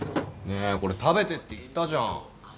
ねえこれ食べてって言ったじゃん。